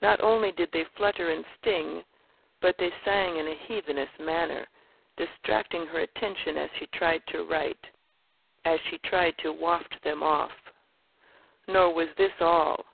Not only did they flutter and sting, but they sang in a heathenish manner, distracting her attention as she tried to write, as she tried to waft them off. Nor was this all.